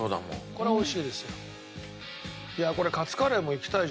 これは美味しいですよ。